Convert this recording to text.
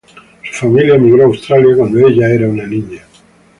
Su familia emigró a Australia cuando ella era un niña.